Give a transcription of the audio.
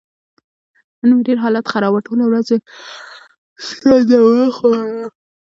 نن مې ډېر حالت خراب و. ټوله ورځ مې سره دوره خوړله.